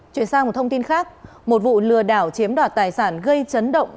chuyển sang một thông tin khác một vụ lừa đảo chiếm đoạt tài sản gây chấn động